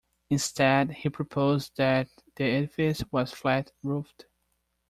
Instead, he proposed that the edifice was flat-roofed.